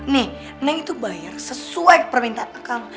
nih nenek itu bayar sesuai permintaan akang